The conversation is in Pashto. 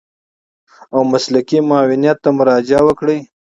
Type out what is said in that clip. او مسلکي معاونيت ته مراجعه وکړي.